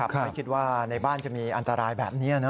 ไม่คิดว่าในบ้านจะมีอันตรายแบบนี้นะ